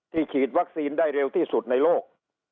ฉีดวัคซีนได้เร็วที่สุดในโลก